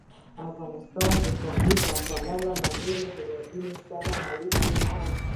افغانستان د پامیر له پلوه له نورو هېوادونو سره اړیکې لري.